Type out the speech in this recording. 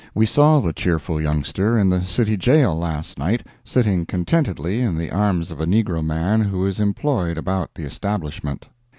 We saw the cheerful youngster in the city jail last night, sitting contentedly in the arms of a negro man who is employed about the establishment.